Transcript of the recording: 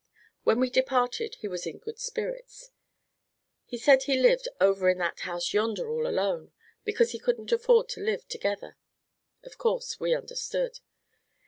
When we departed he was in good spirits. He said he lived "over in that house yonder all alone," because he couldn't afford to live "together." Of course, we understood.